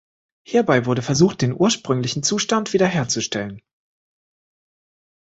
Hierbei wurde versucht, den ursprünglichen Zustand wiederherzustellen.